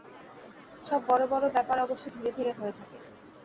সব বড় বড় ব্যাপার অবশ্য ধীরে ধীরে হয়ে থাকে।